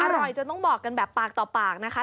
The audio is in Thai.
อร่อยจนต้องบอกกันแบบปากต่อปากนะคะ